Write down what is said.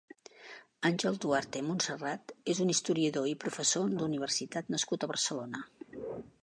Àngel Duarte Montserrat és un historiador i professor d'universitat nascut a Barcelona.